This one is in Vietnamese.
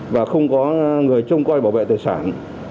và không có người trông coi bảo vệ tài sản